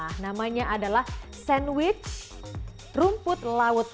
nah namanya adalah sandwich rumput laut